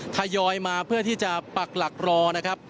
ทยอยมาเพื่อที่จะปักหลักรอนะครับ